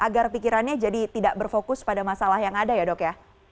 agar pikirannya jadi tidak berfokus pada masalah yang ada ya dok ya